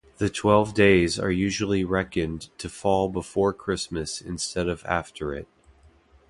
The Twelve Days are usually reckoned to fall before Christmas instead of after it.